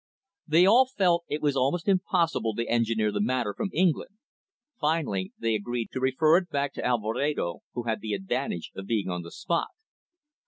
They all felt it was almost impossible to engineer the matter from England. Finally, they agreed to refer it back to Alvedero, who had the advantage of being on the spot.